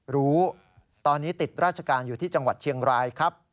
รู้ตอนนี้ติดราชการอยู่ที่จังหวัดเชียงรายครับ